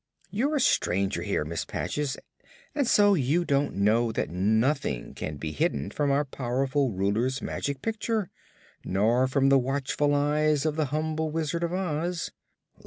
You're a stranger here, Miss Patches, and so you don't know that nothing can be hidden from our powerful Ruler's Magic Picture nor from the watchful eyes of the humble Wizard of Oz.